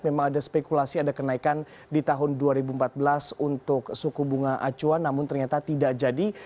memang ada spekulasi ada kenaikan di tahun dua ribu empat belas untuk suku bunga acuan namun ternyata tidak jadi